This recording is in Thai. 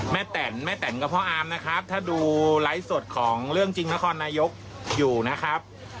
แตนแม่แต่นกับพ่ออามนะครับถ้าดูไลฟ์สดของเรื่องจริงนครนายกอยู่นะครับ